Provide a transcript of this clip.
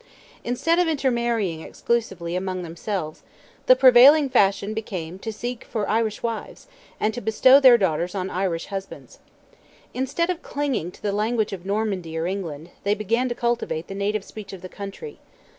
Instead of intermarrying exclusively among themselves, the prevailing fashion became to seek for Irish wives, and to bestow their daughters on Irish husbands. Instead of clinging to the language of Normandy or England, they began to cultivate the native speech of the country.